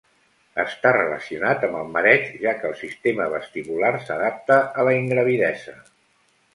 Està relacionat amb el mareig, ja que el sistema vestibular s'adapta a la ingravidesa.